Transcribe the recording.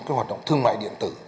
cái hoạt động thương mại điện tử